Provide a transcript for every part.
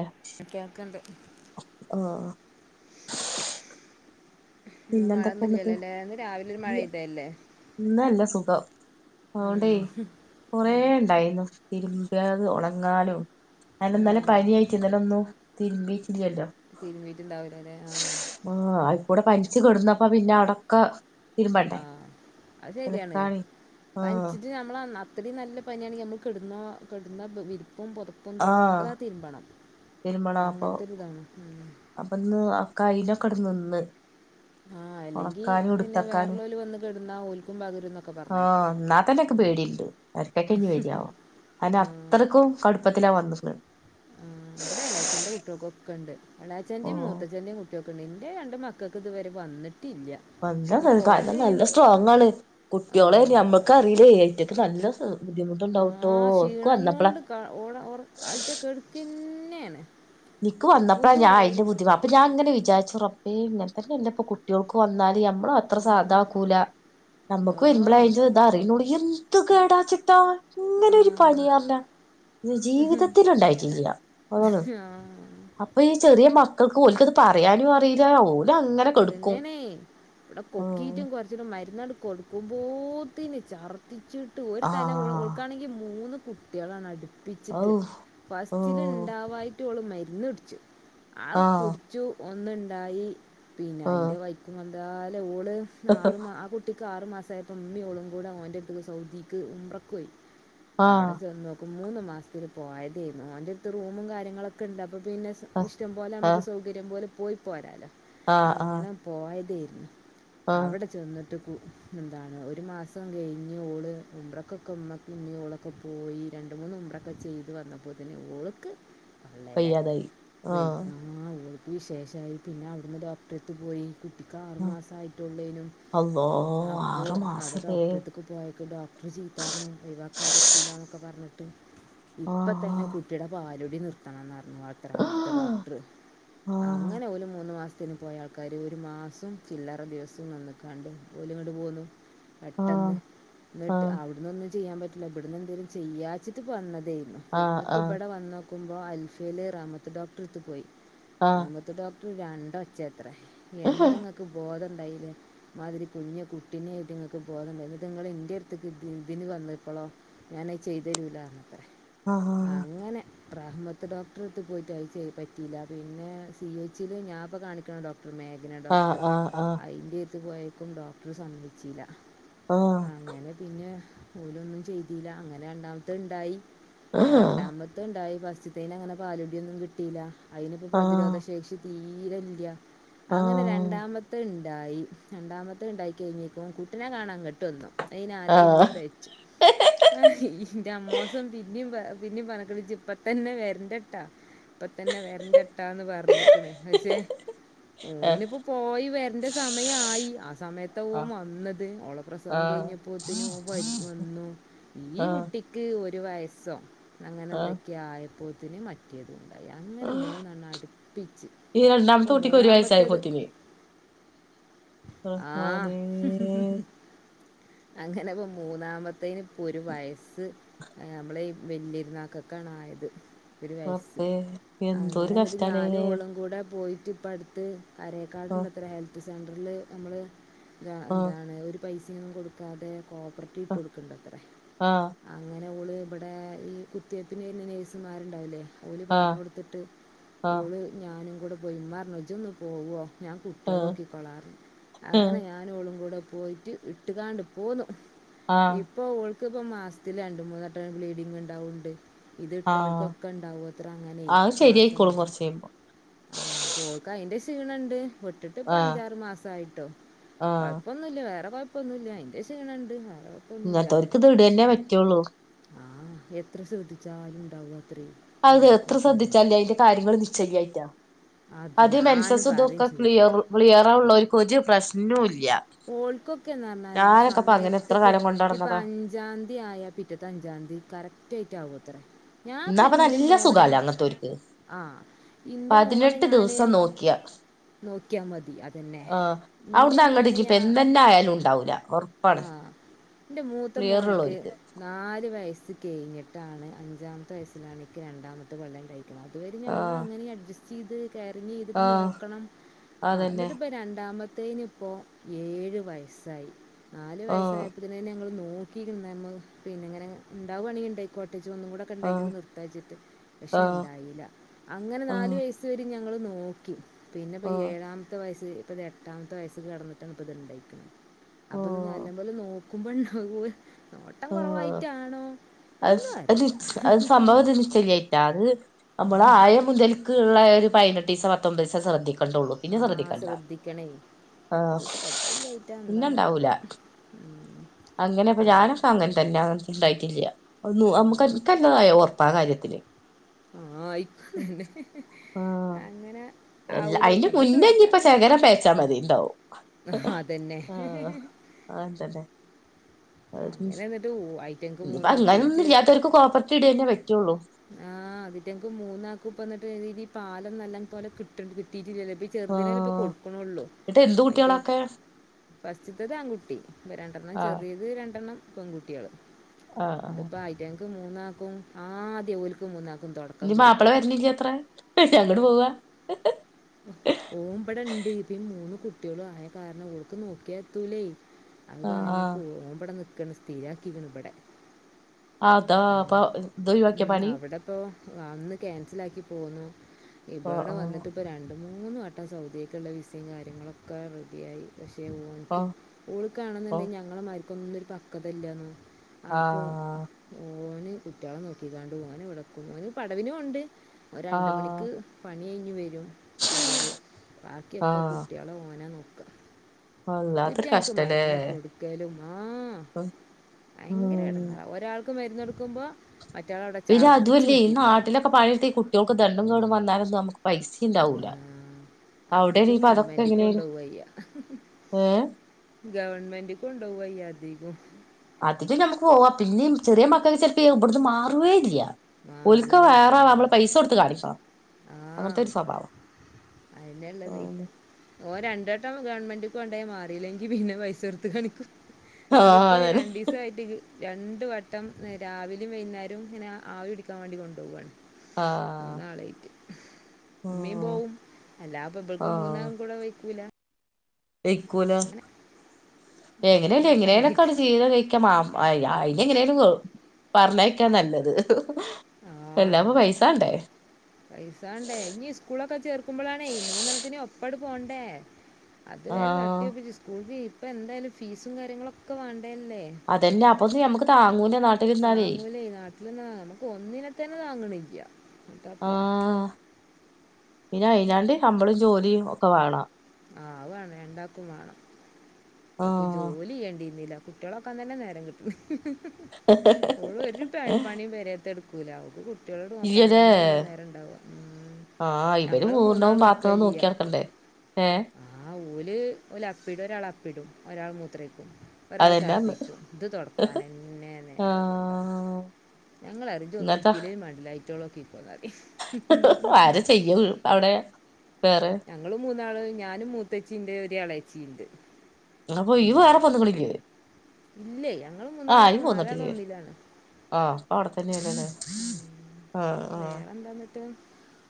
ആഹ് കേൾക്കണ്ട് ആഹ് പിന്നെന്തൊക്കെ മഴയൊന്നും എന്നിട്ട് ഇല്ലല്ലോ ന്ന് രാവിലെ ഒരു മഴെയ്തല്ലേ ഇന്നല്ല സുഖം ആണ്ടേ കുറേ ഉണ്ടായിരുന്നു തിരുമ്പിയത് ഉണങ്ങാനു ഞാൻ ഇന്നലെ പനിയായിട്ട് ഇന്നലെ ഒന്നു തിരുമ്പിട്ടില്ലല്ലോ. തിരുമീട്ടുണ്ടാവലോ ആഹ്. ആഹ് അതിക്കൂടെ പനിച്ച് കിടന്നപ്പ പിന്നെ അടൊക്ക ആ അതരിയാണ് അലക്കാന് ആഹ് പനിച്ചിട്ട് നമ്മള അത്രയും നല്ല പനിയാണെങ്കിൽ നമ്മ കെടുന്നോ കെടുന്ന വിരിപ്പും പൊതപ്പും ആഹ് ഇതൊക്കെ തിരുമ്പണം. തിരുമ്പണം അത് അപ്പൊ അങ്ങനത്തെ ഒരു ഇതാണ് ഉം. അപ്പൊ ഇന്ന് കൈയിലൊക്കെ അവ്ടെ നിന്ന് ആ അല്ലെങ്കി ഉണക്കാനും പിന്നെ എടുത്തക്കാനും വേറെള്ളോൽ വന്ന് കെടുന്ന ഓൽക്കു പകരുന്നൊക്കെ പ ആ എന്ന തന്നെ എനിക്ക് പേടിണ്ട് എർട്ടക്ക് ന്കി പേടി ആവാ. അത് ആ അത്രയ്ക്കും കടുപ്പത്തിലാ വന്ന്ട്ട്ല്ലെ ഉം ഇവിടെ ഇളയച്ചന്റെ കുട്ടികൾകൊക്ക ഒണ്ട് ഇളയച്ചന്റെയും ഓഹ് മൂത്തച്ചഛന്റെയും കുട്ടികൾ നിൻ്റെ രണ്ട് മക്കൾക്ക് ഇതുവരെ വന്നിട്ടില്ല. [unintelligible] ഇനിയിപ്പോൾ ഓൾത് നല്ല ചെയ്യും സ്ട്രോങ് ആണ് ആ, കുട്ടികളെ ഓ- നമ്മക്ക് അറിയില്ലേ ഐറ്റക്കെ നല്ല ഇഹ് ബുദ്ധിമുട്ട് ആ ക്ഷീണം കൊണ്ട് ക്കാ ഓ ആ ഓ അയിറ്റ കെടുക്കന്നെണ്. നിക്ക് വന്നപ്പോഴാ ഞാൻ അതിന്റെ ബുദ്ധിവാ അപ്പൊ ഞാ ഇങ്ങനെ വിചാച്ച് റ [unintelligible] കുട്ടികൾക്ക് വന്നാല് അ നമ്മള അത്ര ആ സാധ ആക്കൂല നമ്മുക്കു വരുമ്പളെ ആ അയിൻ്റെ ഇത് അറിയൂളി ഏന്ത് എന്ത് കേടച്ച് ട്ട ആ ഇങ്ങനെരു പനി പറഞ്ഞ. ഇത് ജീവിതത്തിൽ ഉണ്ടായിട്ടില്ല അ ആ അപ്പൊ ഈ ചെറിയ മക്കൾക്ക് ഓക്ക് അത് പറയാനും അറിയില്ല ഒൽ അതന്നെണേ ഇവിടെ ഉം കൊക്കീറ്റും കുരച്ചിട്ടും മരുന്നടു കൊടുക്കുമ്പോത്തീന് ചർ [unintelligible] ഒരു തല ആഹ് ഓൾക്കാണെങ്കിൽ മൂന്ന് കുട്ടികളാണ് അടു ഔ പ്പിച്ചിട്ട് ഓ ഫസ്റ്റില് ഉണ്ടാവായിട്ട് ഓള് മരുന്ന് കുടിച്ചു ആ കു ആഹ് ച്ചു ഒന്നുണ്ടായി പിന്നെ ആഹ് അതിൻ്റെ [unintelligible] ഓള് ആറ് ആ കുട്ട കുട്ടിക്ക് ആറു മാസായപ്പോ ഉമ്മി ഓളും കൂടെ ഓൻ്റെ അടുത്ത്ക്ക് സൗദിക്ക് ഉംറക്ക് പോയി ആഹ് അവിടെ ച മൂന്ന് മാസത്തിന് പോയതെ ഓൻ്റെ അടുത്ത് റൂമും കാര്യങ്ങളൊക്കെ ഉണ്ട് അപ്പൊ പിന്നെ ആഹ് ഇഷ്ടം പോലെ നമുക്ക് ആഹ് സൗകര്യം പോലെ പോയി പോരാല്ലോ. ആഹ് ആഹ് അങ്ങനെ പോയതെ ആഹ് അവിടെ ചെന്നിട്ട് എന്താണ് ഒരു മാസം കഴിഞ്ഞു ഓള് ഉംറക്കൊക്കെ [unintelligible] പോയി രണ്ട് മൂന്നു ഉംറ ചെയ്ത് വന്നപ്പോത്തന്നെ ഓൾക്ക് പള്ളേലായി വയ്യാതായി ആഹ് [unintelligible] വിശേഷമായി പിന്നെ അവിടുന്ന് ഡോക്ടറെടുത്ത് പോയി. കുട്ടിക്ക് ആറു ആഹ് മാസയിട്ടുള്ളേനും അള്ളോ അപ്പോ ആറു അവിടെ മാസല്ലേ ഡോക്ടർ [unintelligible] ഡോക്ടർ ചീത്ത പറഞ്ഞു ഒഴിവാക്കാൻ പറ്റില്ലന്നൊക്കെ പറഞ്ഞിട്ട് ഇപ്പ തന്നെ ആഹ് കുട്ടിയുടെ പാലുകുടി നിർത്തണംന്ന് പറഞ്ഞുത്ര അവിടുത്തെ ആഹ് ഡോക്ടർ ആഹ് അങ്ങനെ ഓലൂ മൂന്ന് മാസ പോയ ആൾക്കാര് ഒരു മാസവും ചില്ലറ ദിവസവും നികാണ്ടു ഓലും ഇങ്ങട്ടു പോന്നു. പെട്ടെന്ന് എന്നിട്ട് ആഹ് അവിടുന്നൊന്നും ചെയ്യാൻ പറ്റില്ല ഇവിടുന്ന് എന്തെങ്കലും ചെയ്യാച്ചിട്ട് പറഞ്ഞതെ ആഹ് എന്നിട്ട് ആഹ് ഇവിടെ വന്ന് നോക്കുമ്പോൾ അൽഫയിലെ റമത്ത് ഡോക്ടർ എടുത്ത് പോയി ആഹ് റമത്ത് ഡോക് രണ്ട് ഒച്ചത്ര എന്തങ്ങക്ക് ബോധം ഉണ്ടായിലേ? മാതിരി കുഞ്ഞെ കുട്ടിനെ ആയിട്ട് ഇങ്ങൾ [unintelligible] അങ്ങനെ ചെയ്തു തരൂലാന്ന്ത്രെ അങ്ങനെ റഹ്മത്ത് ഡോക്ടറെടുത്തു പോയിട്ട് [unintelligible] പറ്റിയില്ല പിന്നെ സി എച് യി ൽ ഞാൻ ഇപ്പം കാണിക്കുന്ന ഡോക്ടർ ഒരു മേഘന ആഹ് ഡോക്ടർ ആഹ് ആഹ് അതിന്റെ എടുത്ത്പോയിട്ടും ഡോക്ടറു സമ്മതിച്ചില്ല ആഹ് അങ്ങനെ പിന്നെ ഓലൊന്നും ചെയ്തില്ല അങ്ങനെ രണ്ടാമത്തെ ഇണ്ടായി. ആഹ് രണ്ടാമത്ത ഉണ്ടായി ഫസ്റ്റത്തെന് അങ്ങനെ പാലുകുടിയൊന്നും കിട്ടിയില്ല അതിനി ഇപ്പോ ആഹ് പ്രതിരോധ ആഹ് ശേഷി [unintelligible] അങ്ങനെ ആഹ് രണ്ടാമത്തെ ഉണ്ടായി രണ്ടാമത്തെ ഉണ്ടായി കഴിഞ്ഞപ്പം കുട്ടിനെ കാണാൻ ഇങ്ങട് വന്നു. അയിനാലെ പിന്നി ആഹ് പെഴച്ച് ആഹ് ഇന്റെ അമ്മോസം പിന്നി പ പിന്നി പറഞ്ഞക്കണ് ഇജ്പ്പത്തന്നെ വരന്റട്ടോ ഇപ്പ തന്നെ വരന്റട്ടാന്ന് പറഞ്ഞക്കണ് പക്ഷേ ഓനിപ്പൊ പോയി വരണ്ട സമയായി ആഹ് സമയത്ത ഓൻ വന്നത് ഓള് പ്രസവം ആഹ് കഴിഞ്ഞപ്പൊത്തിന് ഓൻവര് വന്നൂ. ആഹ് ഇനീകുട്ടി ക്ക് ഒരു വയസ്സൊ ആഹ് അങ്ങനെന്തെക്കെ ആയപ്പൊത്തിന് മ തുണ്ടായി അങ്ങനെ മൂന്നെണ്ണം അടുപ്പിച്ച് ഈ ഇപ്പൊ രണ്ടാമത്തെ ഉട്ടിക്ക് ഒരു മൂന്നാമത്തേത് വയസ്സായപ്പൊത്തിന് റഹ്മാനേഹ് അങ്ങനപ്പൊ മൂന്നാമത്തേന് ഒരു വയസ്സ് നമ്മളി ഈ വല്യര്ന്നാകക്കാണായത് ഒരു വയസ്സ്. റബ്ബേ എന്തോരു അങ്ങനെന്ന്ട്ട് കഷ്ടാലേ ഞാനു ഓളും കൂടെ പോയി പ്പടത്ത് ആഹ് അരെക്കാട്ണ്ടത്രെ ഹെൽത്ത് സെന്ററില്നമ്മള് ഇത് ആഹ് എന്താണ് ഒര് പൈസൊന്നും കൊടുക്കാതെ കോപ്രെട്ടി ഇട്ട് കൊടുക്കണ്ടത്രെ ആഹ് അങ്ങനെ ഓള് ഇവിടേ ഈ കുത്തിവെപ്പിന് വരുന്ന നഴ്സമ്മാരുണ്ടാവില്ലെ ഓല് ആഹ് പറഞ്ഞൊട്ത്ത്ട്ട് ആഹ് ഓള് ഞാനും കൂടെ പോയി. ഇമ്മറഞു ഇജൊന്ന് പോവൊ ഞാ ആഹ് കുട്ടീളോക്കിക്കോളറഞ്ഞു ആഹ് അങ്ങനെ ഞാ ഞാനും ഓളും കൂടെ ഇട്ടതാണ്ടി. പോന്നു ആഹ് ഇപ്പൊ ഓൾ [unintelligible] പ്പം അറ മാസത്ത്ല് രണ്ട് മൂന്ന് വട്ടം ബ്ലീഡിങ്ങ്ണ്ടാവണ്ണ്ട് ഇത് ആഹ് ഇട്ടോൽകൊക്കെണ്ടാവത്രെ അങ്ങനെ അത് മാസം ശരിയായിക്കോളും മാസം കൊറച്ച് കഴിയുമ്പോ ആഹ് പ്പോൾക്ക് അയിന്റെ ക്ഷീണണ്ട്. വിട്ട്ട്ട് ആഹ് അഞ്ചാറ് മാസായിട്ടൊ. ആഹ് കൊഴപ്പൊ ന്നുല്ല വേറെ കൊഴപ്പൊന്നുല്ല അയിന്റെ ക്ഷീണണ്ട് വേറെ കുഴപ്പമൊന്നുമില്ല ഇങ്ങൻത്തോർക്കിത് ഇടന്നെ പറ്റൊള്ളു ആഹ് എത്ര ശ്രദ്ധിച്ചാലും ഇണ്ടാവത്രെ അത് എത്ര ശ്രദ്ധിച്ചാല് അയിന്റെ കാര്യങ്ങള് നിശ്ച്യല്ലായ്ട്ടാ അത് ഞാന് മെൻസസും പറയും ഇതൊക്കെ ചെയ്തു ക്ലിയർ ക്ലിയറുള്ളോർക്ക് ഒരു പ്രശ്നൊയില്ല ഓൾക്കൊക്കേന്ന റഞ്ഞാല് ആഹ് എത്ര സമയത്ത്ക്ക് കാലം കൊണ്ട് ഇപ്പഞ്ച് നടന്നതാ അഞ്ചാന്തി ആയ പിറ്റെത്തെ അഞ്ചാതി കറക്റ്റായിട്ടാവുവത്രെ എന്നാ അപ്പൊ ഞാപ്പന്റെ നല്ല മോനെ സുഖാല്ലേ അങ്ങനത്തോർക്ക് ആഹ് ഇന്റെ മോനെ പതിനെട്ട് ഞാന് ദിവസം നോക്കിയ നോക്കിയമതി അതെന്നെ ഇന്റെ മോനെ ഞാ ഇന്ന് എന്നായാലുണ്ടാവൂല ഒറപ്പാണ് എൻ്റെ മൂത്ത മോൻക്ക് ക്ലിയറൊള്ളോർക്ക് നാല് വയസ് കഴിഞ്ഞട്ടാണ് അഞ്ചാമത്തെ വയസ്സിലാണ് ഇക്ക് രണ്ടാമത്തെ പെണ്ണണ്ടായ് അതുവരെ ഞമ്മള് ആഹ് അങ്ങനീം അഡ്ജസ്റ്റീത് എറങ്ങി ഇതിട്ട് ആഹ് നോക്കണം ആഹ് അതന്നെ ഇന്നിട്ടിപ്പൊ രണ്ടാമത്തെനിപ്പൊ ഏഴ് വയസ്സായി നാല് ആഹ് വയസ്സായപ്പൊ ത്തിനന്നെ ഞങ്ങള് നോക്കീനു. ഇന്ന ഞമ്മള് പിന്നെ ഇങ്ങനെ ഇണ്ടാവണെങ്കി ഇണ്ടായ്ക്കോട്ടെ ഇജൊന്നു കുടെ ണ്ടായിട്ട് ആഹ് നിർത്താച്ചിട്ട് ആഹ് പക്ഷെണ്ടായില്ല അങ്ങനെ ആഹ് നാല് വയസ് സ് വരെ ഞങ്ങള് നോക്കി. പിന്നെ ഇപ്പ ആഹ് ഏഴാമ്ത്തെ വയസ്സ് ഇപ്പത് എട്ടാമ്ത്തെ വയസ്സ്ക് കടന്ന് ട്ടപ്പത്ണ്ടായ്ക്കും അപ്പത് നല്ല ആഹ് പോലെ നോക്കുമ്പണ്ടാകോ നോട്ടം ആഹ് കൊറവായ്റ്റാണോ അത് അത് അത് സംഭവതുവരെ ശരിയായിട്ടില്ല അത് നമ്മളായ മുതൽ ക്കള്ളെ ഒര് പതിനെട്ടീസൊ പത്തൊമ്പീസൊ ശ്രദ്ധിക്കും കണ്ടൊള്ളു പിന്നെ ആ ശ്രദ്ധിക്കണ്ട. ശ്രദ്ധിക്കണേ ആഹ് ഇത് ശ്രദ്ധയില്ലായിട്ടാ പിന്നെണ്ടാവൂല എന്താന്നാവോ ഉം. അങ്ങനെപ്പൊ അങ്ങനെ ഞാനൊക്കെ അങ്ങൻതന്നെ ഇണ്ടായ്ട്ടില്ല ഒന്ന് മ്മക്ക്ക്കെന്തതായ് ഒറപ്പ ആഹ് കാര്യത്തില് ആഹ് ഇക്കു തന്നെ ആഹ് അങ്ങനെ എല്ലാ ആവൂലെ അയിന്റെ ഞമ്മള് മുന്നേ ഇനിയിപ്പ ശ്രദ്ധിച്ചതി ശകലം പേച്ചാ മതി ഇണ്ടാവും ഉം അതെന്നെ ആഹ് അങ്ങനെതന്നെ അഹ് അങ്ങനെ എന്നിട്ട് ഐറ്റങ്ങൾക്ക് ഇപ്പൊ അങ്ങനെ ഒന്നും മൂന്നാക്കുകയും ഇല്ലാത്തവർക്ക് കോപ്പർ ടി ഇടന്നെ പറ്റുള്ളൂ ആഹ് അതിറ്റകൾക്ക് മൂന്നാക്കൂപ്പ്ന്നിട്ട് നല്ല രീതി ഈ പാലലൊന്നും നല്ലൻ പോലെ കിട്ടണ്ട് കിട്ടീട് ഇല്ലാലോ ചെറുതനൊല ഇപ്പൊ ആഹ് കൊടുക്കണള്ളു എന്നിട്ട് എന്ത് പയറ്റട്ട് കുട്ടികളൊക്കെ ഫസ്റ്റ്തത് ആൺകുട്ടി രണ്ടെണ്ണം ആഹ് ചെറിയത് രണ്ടെണ്ണം പെൺകുട്ടികള് ആഹ് ആഹ് ഇത്പ്പ ഐറ്റങ്ങൾക്ക് മൂന്നാക്കും ആദ്യ ഓലക്ക് മൂന്നാക്കും തുടക്കം കുറിക്കും ഇല്യയത്ര അങ്ങോട് പോവ ഓമ്പടെണ്ട് ഇപ്പ മൂന്ന് കുട്ടികളും ആയ കാരണം അവൾക്ക് നോക്കിയാ എത്തൂലേ അത് ആ കാരണം ഇപ്പോ ഒന് ഇവിടെ നിക്കണ് സ്ഥിരാക്കിക്കണ് ഇവിടെ ആത പ ഒഴിവാക്കിയോ പണി ഇടെപ്പോ അന്ന് ക്യാൻസൽലക്കി പോന്നു ആ ഇവിടെ വന്നിട്ട് ഇപ്പോം രണ്ട് മൂന്ന് വട്ടം സൗദിയൊക്കുള്ള വിസയും കാര്യങ്ങളൊക്കെ റെഡിയായി പക്ഷേ ആ ആ പോ ഓൾക് കാണെന്നുണ്ടെങ്കിൽ ആ ഞങ്ങള മരിക്കോന്നും ഒരു പക്വത ഇല്ലന്ന് ആഹ് അപ്പൊ ഓന് കുട്ടികളെ നോക്കിക്കാണ്ട് ഓൻ വിടക്കും ഒന് പടവിനും ഉണ്ട് ആ രണ്ട് മണിക്ക് ആ പണി കഴിഞ്ഞ് വരും പകല് ആ ബാക്കിയൊക്കെ കുട്ടികളെ ഓന നോക്കുക വല്ലാത്തൊരു കിട്ടായാൽ ഞങ്ങൾക് കഷ്ടല്ലേ മരുന്ന് കൊടുക്കലു ആഹ് ഭയങ്കര ഉം. ഇടങ്ങേറ ഒരാൾക്ക് മരുന്ന കോടുക്കുമ്പോ മറ്റള അവിടെ ഇല്ല ഛർദ്ദിച്ച് അതുമല്ലേ ഈ മുക്കിയിട്ടുണ്ടാവും നാട്ടിലൊക്കെ പണിെടുത്തി ഈ കുട്ടികൾക്ക് ദണ്ടും കേടും വന്നാല നമുക്ക് പൈസ ചിന്താവൂല ആ, അധികം അവിടെപ്പ അതൊക്കെ ഗവൺമെൻറ്റിൽ എങ്ങനെയാനു കൊണ്ടുപോവുക ഏഹ് ഗവൺമെന്റ് കൊണ്ടുപോവ അധികോം അതില് നമുക്ക് പോവാ പിന്നേ ചെറിയ മക്കൾക്ക് ചെലപ്പ ഇവിടുന്ന് മാറുവേ ഇല്ല ഓൾക് മാറൂലേ വേറെ നമ്മള് പൈസ കൊടുത്ത് കാണിക്കണം അങ്ങനത്തെ ഒരു സ്വഭാവം അയിനള്ളദേ ഓ രണ്ടോട്ടം ഗവൺമെന്റ്ക്കെ കൊണ്ടായി മാറിയില്ലെങ്കി പിന്നെ പൈസ കൊടുത്ത് കണിക്കും ആ ഇതിപ്പോ അതന്നെ രണ്ട് ദിവസം കൃത്യായിട്ട് രണ്ടു വട്ടം രാവിലും വൈകുന്നേരം ഇങ്ങനെ ആവി പിടിക്കാൻ വേണ്ടി കൊണ്ടുപോവുവാണ് ആ മൂന്നാളായിട്ട് ഉമ്മയും ആ പോവും അല്ലാപ്പ ഇവൾക്ക് മൂന്നാളും കൂടെ വ ക്കുല കഴക്കൂല എങ്ങനെയല്ല ഇടങ്ങറിലാണ് എങ്ങനെയനക്കെ ചിര കഴക്കാൻ മാ ആഹ് അയിന എങ്ങനെലും പറഞ്ഞ് അയക്കുന്ന നല്ലത് എല്ലാപ പൈസ വേണ്ടേ പൈസാണ്ടേ ഇനി സ്കൂളൊക്കെ ചേർക്കുമ്പോളാണേ മൂന്നെത്തിന് ഒപ്പാട് പോണ്ടേ അത് വേരെ ആഹ് തട്ടിയോപ്പിച്ചു സ്കൂളി ഇപ്പ എന്തായാലും ഫീസും കാര്യങ്ങളുക്കെ വേണ്ടേല്ലേ അതന്നെ അപ്പൊ നമുക്ക് താങ്ങൂല്ല ന താങ്ങൂലേ ഈ നാട്ടിൽന്ന നമുക്ക് ഒന്നിനെ തന്നെ താങ്ങണില്ല എന്നിട്ടപ്പൊ ആഹ് പിന്നെ അയിഞ്ഞാണ്ട് നമ്മളും ജോലിയും ഒക്കെ വേണം ആഹ് വേണം രണ്ടാക്കും വേണം ഓൾക് ആഹ് ജോലി ചെയ്യണ്ടിരുന്നില്ല കുട്ടികളൊക്കാൻ തന്നെ നേരം കിട്ടണി അ ഓള് ഒരുപ പണി പേരെത്തെ എടുക്കൂല കുട്ടികളോട് നോക്കാൻ ഇയ്യലേ തന്നെ അവ നേരം ഉണ്ടാവുക ആഹ് ഇവര് ഞങ്ങള് മൂന്നാൾ പൂർണ്ണവും എടുക്കുക പാത്രവും നോക്കി ചെയ്യാ നടക്കണ്ടേ ഏഹ് ആഹ് ഓല് ഓല അപ്പിടും ഒരാൾ അപ്പിടും ഒരാൾ മൂത്രേക്കും ഒരാൾ അതന്നെന്ന് ഛർദ്ദിക്കും ഇത് തുടക്കാൻന്നെ നേരം ഉളുട്ടോ ആഹ് ഞങ്ങൾ അരുകി ഒന്നും ഇന്നത്താ ഇടുത്തില്ലേ വേണ്ടില്ല ഐറ്റോളെക്കിക്കോന്ന് അറയും ആര് ചെയ്യും അവിടെ വേറെ ഞങ്ങള് മൂന്നാള് ഞാനും മൂത്തച്ചിന്റെ ഒരാളച്ചി ഉണ്ട് അപ്പൊ ഇവ വറെ പൊന്നുക്കളില്ലേ ഇല്ലേ ഞങ്ങള് മൂന്നാളൊക്കെ നാലാളും ഒന്നില്ലാണ്. ആഹ അപ്പോ അവിടെത്തന്നെ ഏണല്ലേ. ആ. ആ വേറെ എന്താന്നിട്ട്.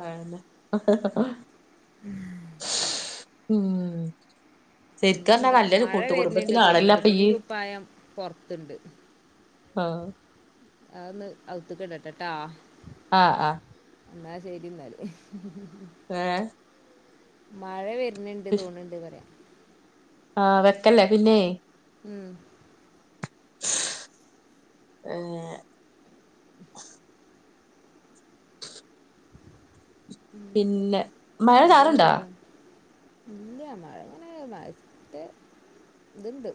മം.. ഹ ഹ് ഉം [unintelligible] ശരിക്കറഞ്ഞാ പിന്നെന്താ നല്ലൊരു മഴ വരുന്നണ്ട് കൂട്ടുകുടുംബത്തിലാണല്ലോ തോന്നണ്ട് അപ്പൊ തുണി ഇയ്യ് കുപ്പായം പൊറത്ത്ണ്ട്. ആഹ അഒന്ന് അവുത്ത്ക്കിടട്ടെ ട്ടോ. ആഹ ആ.. എന്നാ ശരി എന്നാല് [unintelligible] മഴ വരുന്നുണ്ട് തോന്നണ്ട് പറയാ ആഹ വെക്കല്ലേ പിന്നെ മം. ഏഹ് ഉം പിന്നെ മഴ എന്തോന്ന് ചാറുണ്ടോ പറയാം ഇല്ല മഴങ്ങനെ മറ്റേ ഇതുണ്ട്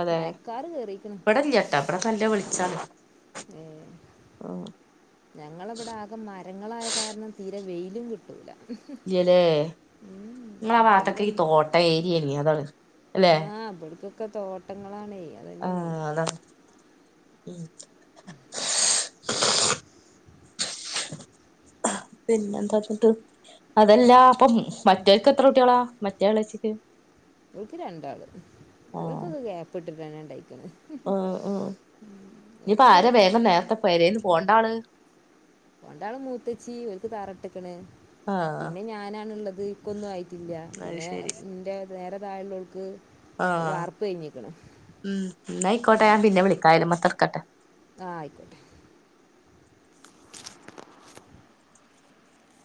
അതെ മയക്കാറ് കയറിയിരിക്കണം ഇവിടെല്ല ചേട്ടാ അവിടെ കല്ല് വിളിച്ചാണ് ഏഹ് [inaudible] ഞങ്ങളിവിടെ ആകെ മരങ്ങളായ കാരണം തീരെ വെയിലും കിട്ടൂല. ഇല്ലല്ലേ ഉം, നിങ്ങളാ ഭാഗത്തോക്കെ ഈ വെയിലൊന്നും തോട്ട ഏരിയെണ്. അതാണ് അല്ലെ [unintelligible] ഒക്കെ തോട്ടങ്ങളാണ് ആഹ് അത് ഉം [inaudible] പിന്നെന്താചിട്ട് അതല്ല അപ്പോ മറ്റോർക്ക് എത്ര കുട്ടികളാ മറ്റേളച്ചിക്ക്. ൾക്ക് രണ്ടാള് ഓൾക്കത് ഗ്യാപ്പ് ഇട്ടിട്ട് തന്നെ ഉണ്ടയ്ക്കുന്നത് ഉ ഉ. ഇനിപ്പ ഓൾക്ക് ആരാ വേഗം നേരത്തെ പോരെന്ന് പോണ്ട ആള് [unintelligible] മൂത്തച്ചി ഓർക്ക് തറട്ട്ക്ക്ണ്. ആഹ് പിന്നെ ഞാനാണള്ളത്. ഇക്കൊന്നും ആയിട്ടില്ല അത് പിന്നെ ശരി ഇന്റെ നേരെ താഴുള്ളവൾക്ക് ആഹ് വാർപ്പ് കഴിഞ്ഞിക്കണം ഉം. ന്നാ അയിക്കോട്ടെ ഞാൻ പിന്നെ വിളിക്കാ അയല്മത്തെ ഇട്ക്കട്ടെ. ആഹ ആയിക്കോട്ടെ.